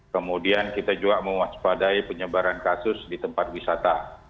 kemudian kita juga mewaspadai penyebaran kasus di tempat wisata